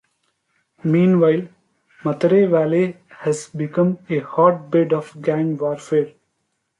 Meanwhile, Mathare Valley has become a hotbed of gang warfare.